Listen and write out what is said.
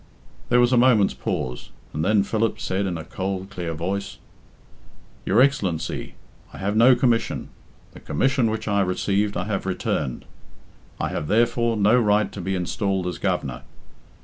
There was a moment's pause, and then Philip said in a cold clear voice "Your Excellency, I have no commission. The commission which I received I have returned. I have, therefore, no right to be installed as Governor.